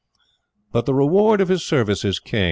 But the reward of his services came.